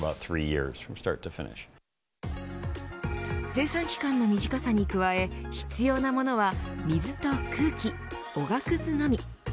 生産期間の身近さに加え必要なものは水と空気おがくずのみ。